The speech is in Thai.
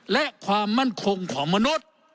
และความมั่นคงของมนุษย์